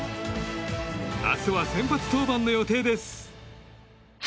明日は先発登板の予定です。